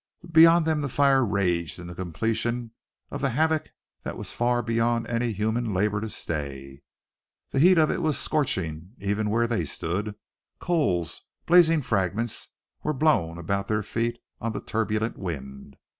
Beyond them the fire raged in the completion of the havoc that was far beyond any human labor to stay. The heat of it was scorching even where they stood; coals, blazing fragments, were blown about their feet on the turbulent wind.